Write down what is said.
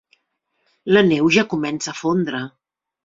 La neu ja comença a fondre.